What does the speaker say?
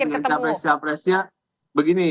kalau mereka capres capresnya begini